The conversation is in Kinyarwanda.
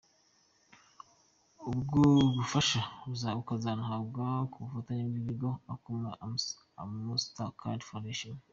Ubwo bufasha bazabuhabwa ku bufatanye bw’ibigo Akoma na Mastercard Foundation.